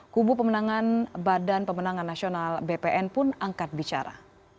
kubu pemenangan badan pemenangan nasional bpn pun angkat bicara